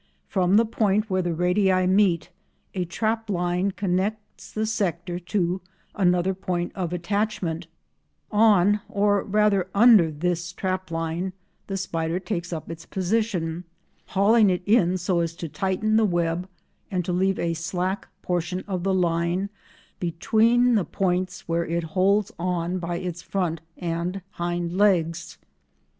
From the point where the radii meet, a "trap line" connects the sector to another point of attachment; on, or rather under, this trap line, the spider takes up its position, hauling it in so as to tighten the web and to leave a slack portion of the line between the points where it holds on by its front and hind legs.